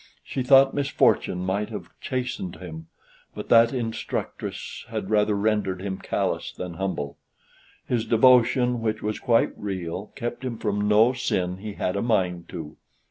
She thought misfortune might have chastened him; but that instructress had rather rendered him callous than humble. His devotion, which was quite real, kept him from no sin he had a mind to.